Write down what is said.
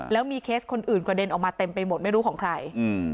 แล้วมีเคสคนอื่นกระเด็นออกมาเต็มไปหมดไม่รู้ของใคร